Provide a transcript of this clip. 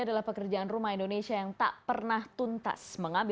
alvin kennedy kota jambi